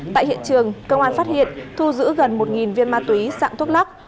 tại hiện trường công an phát hiện thu giữ gần một viên ma túy dạng thuốc lắc